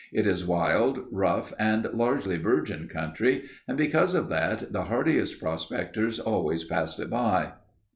It is wild, rough, and largely virgin country and because of that the hardiest prospectors always passed it by.